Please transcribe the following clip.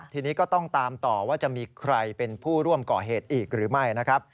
ทีนี้ก็ต้องตามต่อว่าจะมีใครเป็นผู้ร่วมก่อเหตุอีกหรือไม่นะครับ